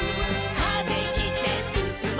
「風切ってすすもう」